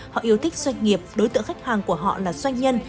họ yêu thích doanh nghiệp đối tượng khách hàng của họ là doanh nhân